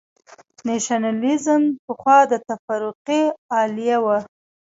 نېشنلېزم پخوا د تفرقې الې وه.